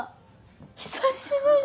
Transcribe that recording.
久しぶり。